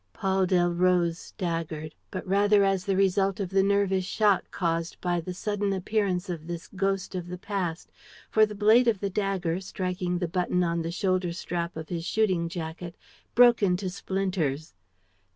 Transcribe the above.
Paul Delroze staggered, but rather as the result of the nervous shock caused by the sudden appearance of this ghost of the past; for the blade of the dagger, striking the button on the shoulder strap of his shooting jacket, broke into splinters.